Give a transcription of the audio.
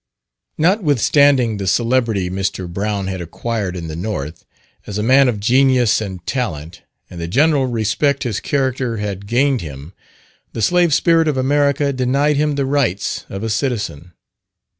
Notwithstanding the celebrity Mr. Brown had acquired in the north, as a man of genius and talent, and the general respect his high character had gained him, the slave spirit of America denied him the rights of a citizen.